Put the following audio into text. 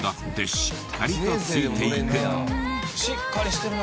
しっかりしてるな。